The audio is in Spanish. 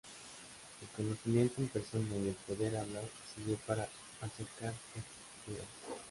El conocimiento en persona y el poder hablar sirvió para acercar posturas.